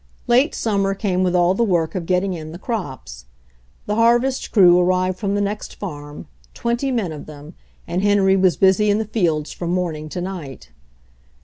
Late summer came with all the work of get ting in the crops. The harvest crew arrived from the next farm, twenty men of them, and Henry was busy in the fields from morning to night.